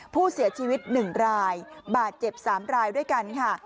ผู้เสียชีวิต๑รายบาดเจ็บ๓รายด้วยกันค่ะ